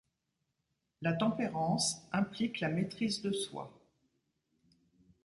La tempérance implique la maîtrise de soi.